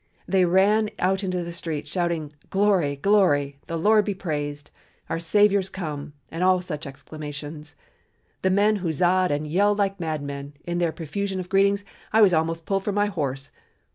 They ran out into the streets shouting, 'Glory! Glory!' 'The Lord be praised!' 'Our Savior's come!' and all such exclamations. The men huzzahed and yelled like madmen, and in their profusion of greetings I was almost pulled from my horse.